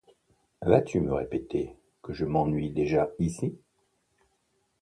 Vas-tu me répéter que je m’ennuie déjà ici ?